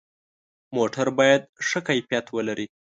موټر باید ښه کیفیت ولري.